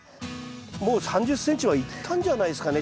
もう３０ｃｍはいったんじゃないですかね。